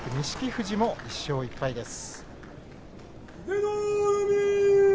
富士も１勝１敗です。